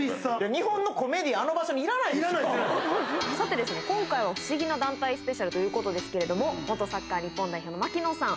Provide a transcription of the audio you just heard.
日本のコメディアン、あの場さてですね、今回は不思議な団体スペシャルということですけれども、元サッカー日本代表の槙野さん。